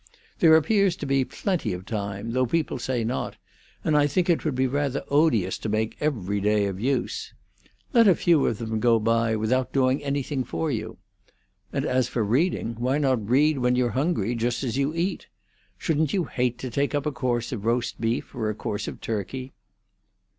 There appears to be plenty of time, though people say not, and I think it would be rather odious to make every day of use. Let a few of them go by without doing anything for you! And as for reading, why not read when you're hungry, just as you eat? Shouldn't you hate to take up a course of roast beef, or a course of turkey?"